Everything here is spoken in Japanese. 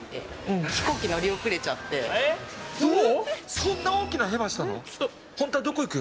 そんな大きなヘマしたの？